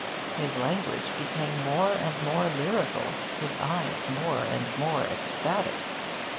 His language became more and more lyrical, his eyes more and more ecstatic.